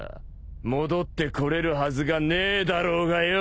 戻ってこれるはずがねえだろうがよ！